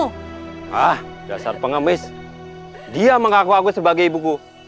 hah dasar pengamis dia mengaku ngaku sebagai ibuku